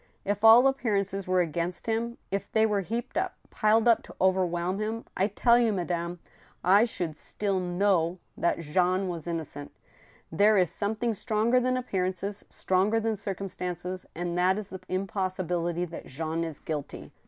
If all appearances were against him, if they were heaped up, piled up to overwhelm him, I tell you, ma dame, I should still kfunv that Jean was innocent I There is some thing stronger than appearances, stronger than circumstances, and that is the impossibility that Jean is guilty."